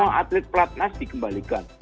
semua atlet pelatnas dikembalikan